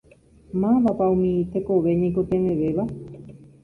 Mávapa umi tekove ñaikotevẽvéva?